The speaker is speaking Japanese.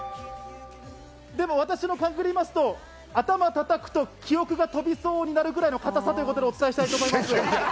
でも私の感覚で言いますと頭を叩くと、記憶が飛びそうになるくらいの硬さとお伝えしたいと思います。